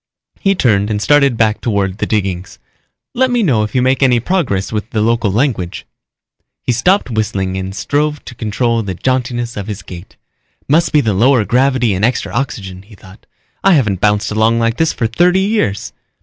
He turned and started back toward the diggings. "Let me know it you make any progress with the local language." He stopped whistling and strove to control the jauntiness of his gait. Must be the lower gravity and extra oxygen, he thought. _I haven't bounced along like this for thirty years.